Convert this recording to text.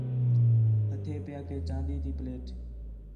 ہتھے پِیا کہ چاندی تی پلیٹ